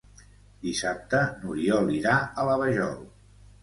Dissabte n'Oriol irà a la Vajol.